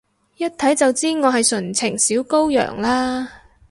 一睇就知我係純情小羔羊啦？